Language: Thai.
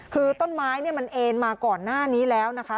คือต้นไม้เนี่ยมันเอ็นมาก่อนหน้านี้แล้วนะคะ